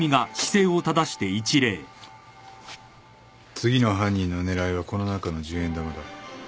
次の犯人の狙いはこの中の十円玉だ。